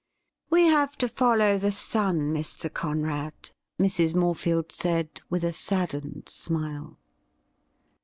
' We have to follow the sun, Mr. Conrad,' Mrs. More field said with a saddened smile.